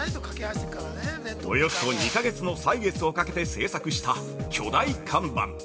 ◆およそ２か月の歳月をかけて製作した巨大看板。